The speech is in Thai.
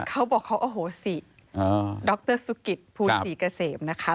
เขาบอกเขาโอโหสิดรสุกิตภูลศรีเกษมนะคะ